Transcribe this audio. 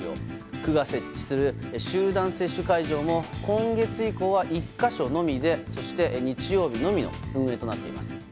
区が設置する集団接種会場も今月以降は１か所のみでそして日曜日のみの運営となっています。